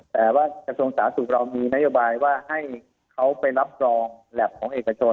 แต่ว่ากระทรวงสาธารณสุขเรามีนโยบายว่าให้เขาไปรับรองแล็บของเอกชน